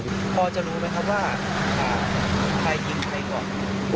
พอจะรู้ไหมครับว่าใครยิงใครก่อน